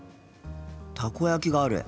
たこ焼きがある。